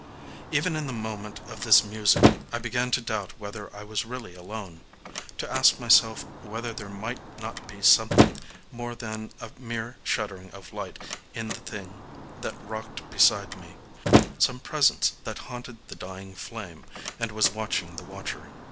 Even in the moment of this musing I began to doubt whether I was really alone,—to ask myself whether there might not be something more than a mere shuddering of light in the thing that rocked beside me: some presence that haunted the dying flame, and was watching the watcher.